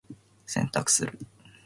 洗濯する。